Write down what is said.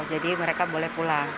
jadi mereka boleh pulang